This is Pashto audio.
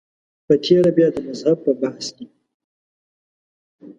په تېره بیا د مذهب په بحث کې.